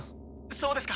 そうですか。